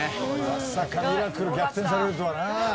まさかミラクル逆転されるとはな。